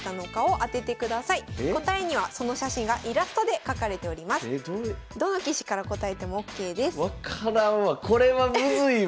分からんわ。